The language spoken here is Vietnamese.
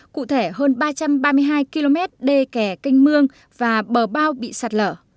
cụ thể hơn ba trăm ba mươi hai km đê kè canh mương và bờ bao bị sạt lở